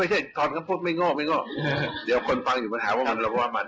ไม่ใช่ตอนก็พูดไม่ง่อเดี๋ยวคนฟังอยู่ปัญหาว่ามัน